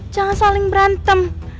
jangan saling berantem